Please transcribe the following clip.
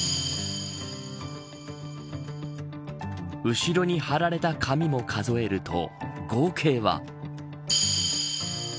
後ろに張られた紙も数えると合計は。